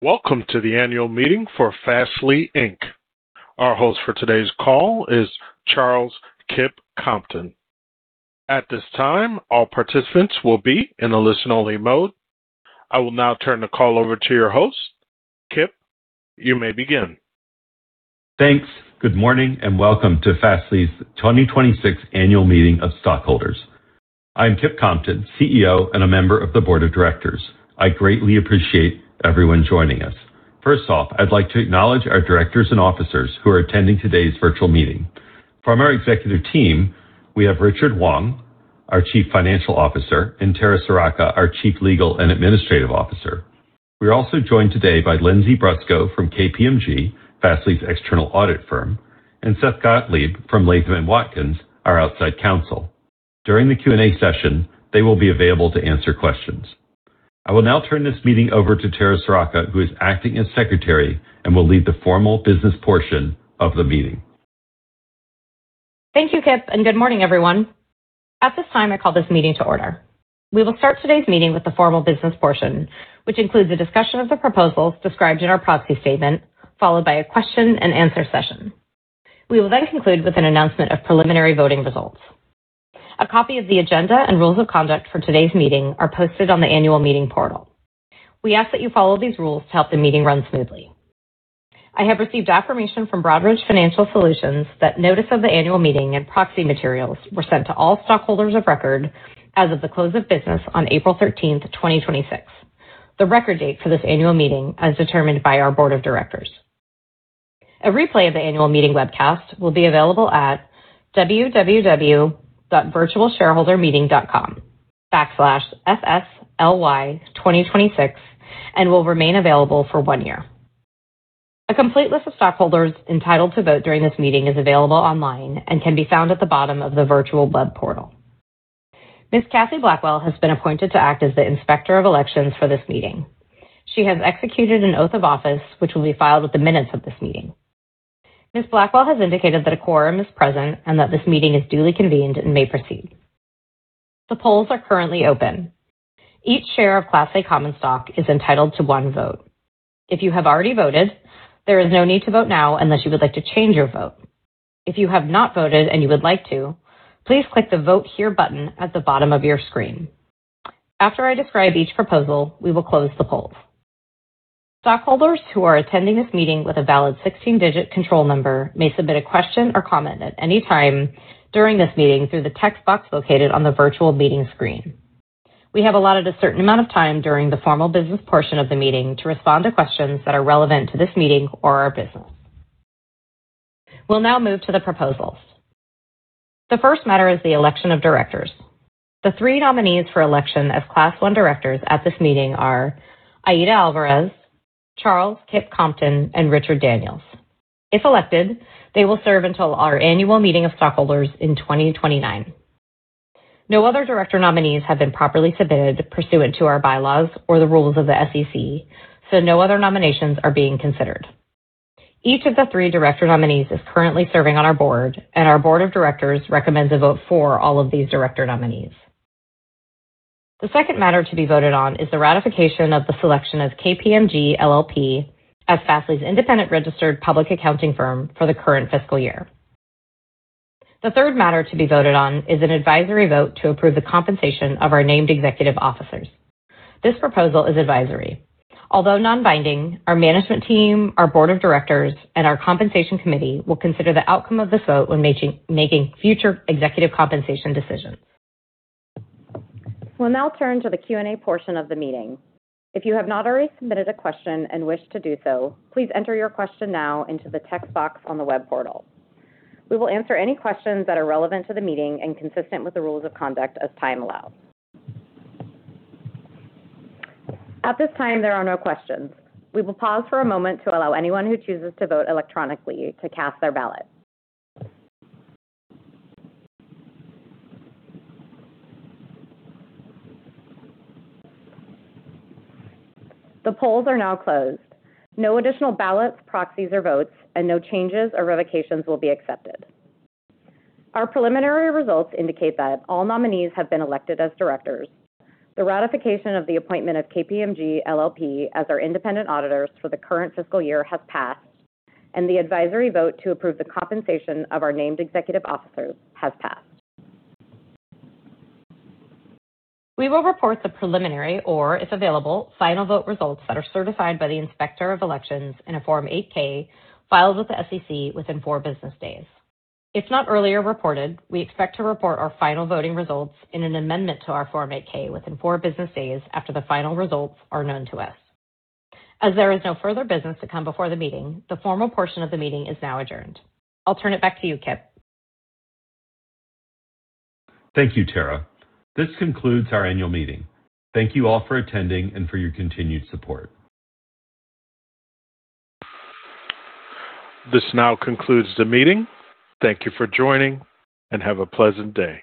Welcome to the annual meeting for Fastly, Inc. Our host for today's call is Charles "Kip" Compton. At this time, all participants will be in a listen-only mode. I will now turn the call over to your host. Kip, you may begin. Thanks. Good morning and welcome to Fastly's 2026 annual meeting of stockholders. I'm Kip Compton, CEO, and a member of the board of directors. I greatly appreciate everyone joining us. First off, I'd like to acknowledge our directors and officers who are attending today's virtual meeting. From our executive team, we have Richard Wong, our Chief Financial Officer, and Tara Seracka, our Chief Legal and Administrative Officer. We're also joined today by Lindsay Brusco from KPMG, Fastly's external audit firm, and Seth Gottlieb from Latham & Watkins, our outside counsel. During the Q&A session, they will be available to answer questions. I will now turn this meeting over to Tara Seracka, who is acting as secretary and will lead the formal business portion of the meeting. Thank you, Kip, and good morning, everyone. At this time, I call this meeting to order. We will start today's meeting with the formal business portion, which includes a discussion of the proposals described in our proxy statement, followed by a question and answer session. We will then conclude with an announcement of preliminary voting results. A copy of the agenda and rules of conduct for today's meeting are posted on the annual meeting portal. We ask that you follow these rules to help the meeting run smoothly. I have received affirmation from Broadridge Financial Solutions that notice of the annual meeting and proxy materials were sent to all stockholders of record as of the close of business on April 13, 2026, the record date for this annual meeting, as determined by our board of directors. A replay of the annual meeting webcast will be available at www.virtualshareholdermeeting.com/fsly2026 and will remain available for one year. A complete list of stockholders entitled to vote during this meeting is available online and can be found at the bottom of the virtual web portal. Ms. Kathy Blackwell has been appointed to act as the Inspector of Elections for this meeting. She has executed an oath of office, which will be filed with the minutes of this meeting. Ms. Blackwell has indicated that a quorum is present and that this meeting is duly convened and may proceed. The polls are currently open. Each share of Class A common stock is entitled to one vote. If you have already voted, there is no need to vote now unless you would like to change your vote. If you have not voted and you would like to, please click the Vote Here button at the bottom of your screen. After I describe each proposal, we will close the polls. Stockholders who are attending this meeting with a valid 16-digit control number may submit a question or comment at any time during this meeting through the text box located on the virtual meeting screen. We have allotted a certain amount of time during the formal business portion of the meeting to respond to questions that are relevant to this meeting or our business. We'll now move to the proposals. The first matter is the election of directors. The three nominees for election as Class I directors at this meeting are Aida Alvarez, Charles "Kip" Compton, and Richard Daniels. If elected, they will serve until our annual meeting of stockholders in 2029. No other director nominees have been properly submitted pursuant to our bylaws or the rules of the SEC, so no other nominations are being considered. Each of the three director nominees is currently serving on our board, and our board of directors recommends a vote for all of these director nominees. The second matter to be voted on is the ratification of the selection of KPMG LLP as Fastly's independent registered public accounting firm for the current fiscal year. The third matter to be voted on is an advisory vote to approve the compensation of our named executive officers. This proposal is advisory. Although non-binding, our management team, our board of directors, and our compensation committee will consider the outcome of this vote when making future executive compensation decisions. We'll now turn to the Q&A portion of the meeting. If you have not already submitted a question and wish to do so, please enter your question now into the text box on the web portal. We will answer any questions that are relevant to the meeting and consistent with the rules of conduct as time allows. At this time, there are no questions. We will pause for a moment to allow anyone who chooses to vote electronically to cast their ballot. The polls are now closed. No additional ballots, proxies, or votes, and no changes or revocations will be accepted. Our preliminary results indicate that all nominees have been elected as directors. The ratification of the appointment of KPMG LLP as our independent auditors for the current fiscal year has passed, and the advisory vote to approve the compensation of our named executive officers has passed. We will report the preliminary or, if available, final vote results that are certified by the Inspector of Elections in a Form 8-K filed with the SEC within four business days. If not earlier reported, we expect to report our final voting results in an amendment to our Form 8-K within four business days after the final results are known to us. As there is no further business to come before the meeting, the formal portion of the meeting is now adjourned. I'll turn it back to you, Kip. Thank you, Tara. This concludes our annual meeting. Thank you all for attending and for your continued support. This now concludes the meeting. Thank you for joining, and have a pleasant day.